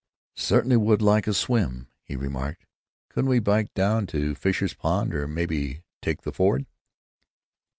"Certainly would like a swim," he remarked. "Couldn't we bike down to Fisher's Pond, or maybe take the Ford?"